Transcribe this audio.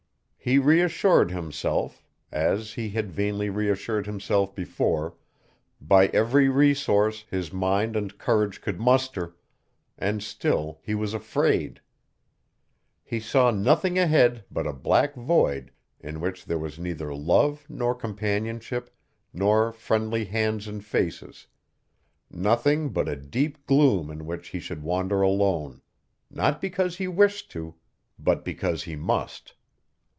He reassured himself, as he had vainly reassured himself before, by every resource his mind and courage could muster, and still he was afraid. He saw nothing ahead but a black void in which there was neither love nor companionship nor friendly hands and faces, nothing but a deep gloom in which he should wander alone, not because he wished to, but because he must.